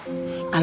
aduh mama ya